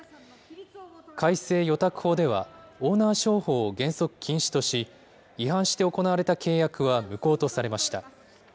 改正預託法では、オーナー商法を原則禁止とし、違反して行われた契約は無効とされました。